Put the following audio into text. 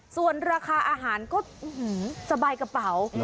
ส่วนราคาอาหารก็สบายกระเป๋า